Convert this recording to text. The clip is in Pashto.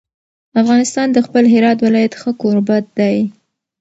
افغانستان د خپل هرات ولایت ښه کوربه دی.